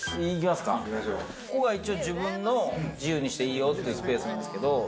ここが一応、自分の自由にしていいよっていうスペースなんですけど。